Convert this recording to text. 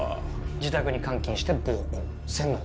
自宅に監禁して暴行洗脳とか？